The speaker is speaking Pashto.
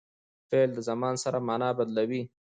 فعل د زمان سره مانا بدلوي.